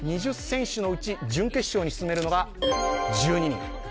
２０選手のうち準決勝に進めるのが１２人。